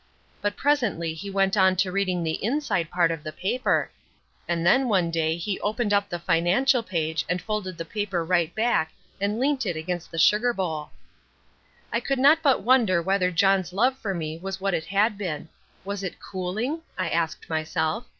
But presently he went on to reading the inside part of the paper, and then one day he opened up the financial page and folded the paper right back and leant it against the sugar bowl. I could not but wonder whether John's love for me was what it had been. Was it cooling? I asked myself.